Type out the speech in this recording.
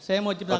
saya mau ciptakan